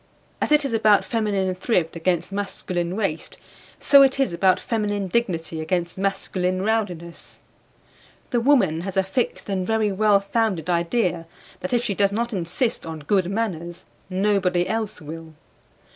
As it is about feminine thrift against masculine waste, so it is about feminine dignity against masculine rowdiness. The woman has a fixed and very well founded idea that if she does not insist on good manners nobody else will.